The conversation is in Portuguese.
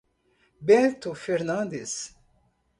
Bento Fernandes